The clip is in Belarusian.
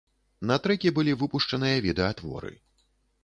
На трэкі былі выпушчаныя відэа-творы.